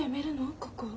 ここ。